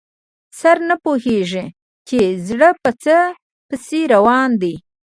سر نه پوهېږي چې زړه په څه پسې روان دی.